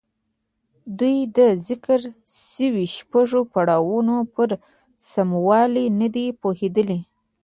دوی د ذکر شويو شپږو پړاوونو پر سموالي نه دي پوهېدلي.